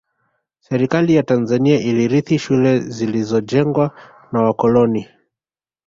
Serikali ya Tanzania ilirithi shule zilizojengwa na wakoloni